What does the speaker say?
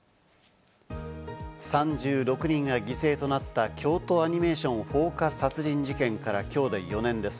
３６人が犠牲となった京都アニメーション放火殺人事件から、きょうで４年です。